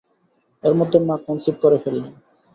এর মধ্যে মা কনসিভ করে ফেললেন।